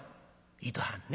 「いとはんね？